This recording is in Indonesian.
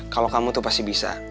kalau kamu tuh pasti bisa